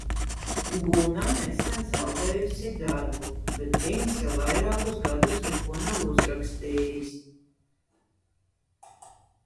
Guna nesen zaudējusi darbu, bet Gints jau vairākus gadus neko nav uzrakstījis.